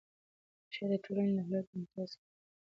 شعر د ټولنې د حالاتو انعکاس کوي.